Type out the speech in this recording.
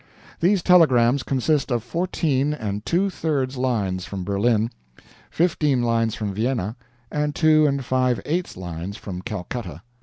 These telegrams consist of fourteen and two thirds lines from Berlin, fifteen lines from Vienna, and two and five eights lines from Calcutta.